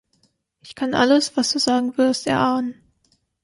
Ich kann alles, was du sagen wirst, erahnen.